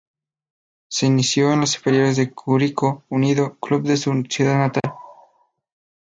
Se inició en las inferiores de Curicó Unido, club de su ciudad natal.